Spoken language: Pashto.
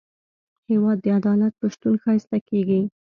هېواد د عدالت په شتون ښایسته کېږي.